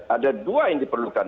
ada dua yang diperlukan